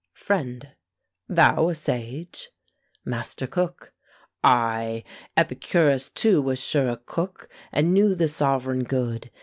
FRIEND. Thou a sage! MASTER COOK. Ay! Epicurus too was sure a cook, And knew the sovereign good.